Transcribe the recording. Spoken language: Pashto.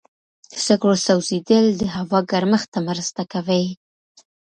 د سکرو سوځېدل د هوا ګرمښت ته مرسته کوي.